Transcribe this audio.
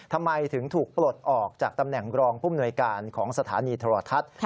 ทำไมถึงถูกปลดออกจากตำแหน่งรองผู้มนวยการของสถานีโทรทัศน์